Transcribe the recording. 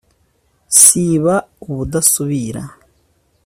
siba ubudasubira